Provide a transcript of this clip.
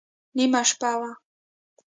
نیمه شپه وه.